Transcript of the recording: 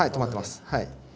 はい。